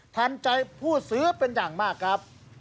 ทันใจผู้ซื้อเป็นอย่างมากครับ